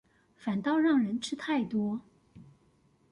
反倒讓人吃太多